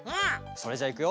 それじゃあいくよ。